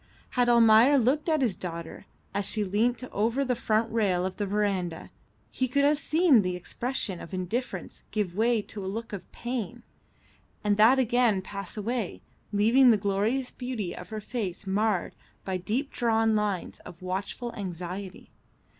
Had Almayer looked at his daughter as she leant over the front rail of the verandah he could have seen the expression of indifference give way to a look of pain, and that again pass away, leaving the glorious beauty of her face marred by deep drawn lines of watchful anxiety.